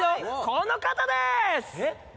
この方です！えっ？